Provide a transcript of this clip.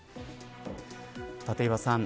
立岩さん